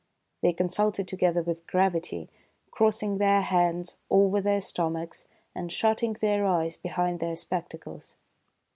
They consulted together with gravity, crossing their hands over their stomachs and shutting their eyes behind their spectacles.